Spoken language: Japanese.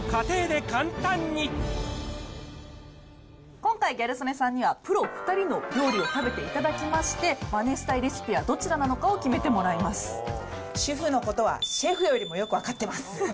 今回、ギャル曽根さんにはプロ２人の料理を食べていただきまして、マネしたいレシピはどちら主婦のことはシェフよりもよく分かってます。